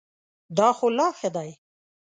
دا خو لا ښه دی .